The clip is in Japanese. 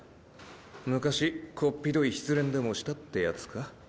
昔こっぴどい失恋でもしたってやつか？